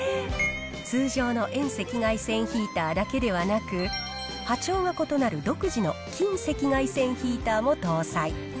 通常の遠赤外線ヒーターだけではなく、波長が異なる独自の近赤外線ヒーターも搭載。